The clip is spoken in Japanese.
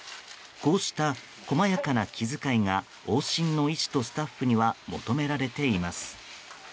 こうした、細やかな気遣いが往診の医師とスタッフには求められています。